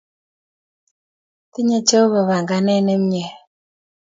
Tinye Jehova panganet ne mie.